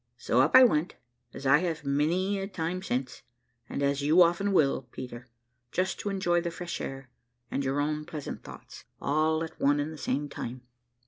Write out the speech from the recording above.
So up I went, as I have many a time since, and as you often will, Peter, just to enjoy the fresh air and your own pleasant thoughts, all at one and the same time.